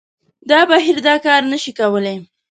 دا بهیر دا کار نه شي کولای